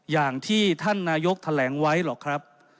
อย่างที่ท่านนายกแถลงไว้หรอกครับ